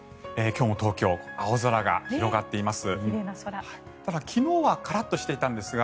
今日も東京青空が広がっています。